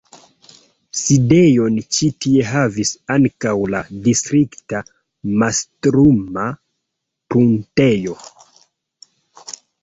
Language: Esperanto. Sidejon ĉi tie havis ankaŭ la Distrikta mastruma pruntejo.